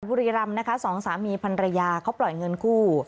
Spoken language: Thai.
บุรีรำนะคะสองสามีพันรยาเขาปล่อยเงินกู้